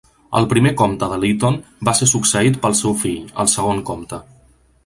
El primer comte de Lytton va ser succeït pel seu fill, el segon comte.